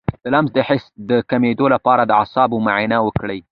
د لمس د حس د کمیدو لپاره د اعصابو معاینه وکړئ